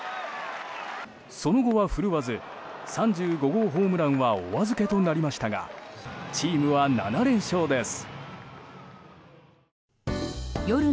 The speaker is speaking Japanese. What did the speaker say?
その後は振るわず３５号ホームランはお預けとなりましたがチームは７連勝です。